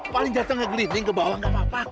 paling jatuh nggak geliting ke bawah nggak apa apa